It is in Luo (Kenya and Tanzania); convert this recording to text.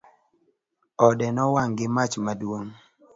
Ode nowang' gi mach maduong'